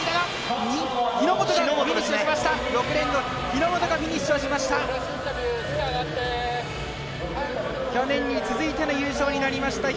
日本がフィニッシュしました。